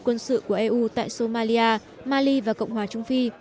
quân sự của eu tại somalia mali và cộng hòa trung phi